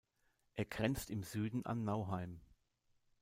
Er grenzt im Süden an Nauheim.